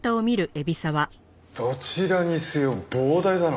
どちらにせよ膨大だな。